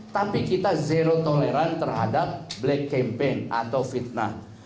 tapi kita zero toleran terhadap black campaign atau fitnah